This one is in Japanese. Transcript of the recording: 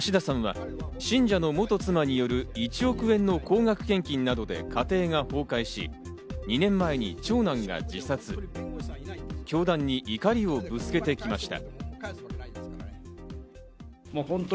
橋田さんは信者の元妻による１億円の高額献金などで家庭が崩壊し、２年前に長男が自殺、教団に怒りをぶつけてきました。